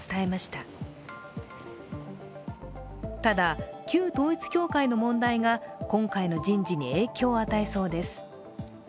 ただ、旧統一教会の問題が今回の人事に影響を与えそうです。